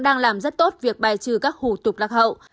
đang làm rất tốt việc bài trừ các hủ tục lạc hậu